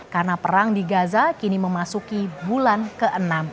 karena perang di gaza kini memasuki bulan ke enam